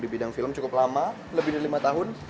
di bidang film cukup lama lebih dari lima tahun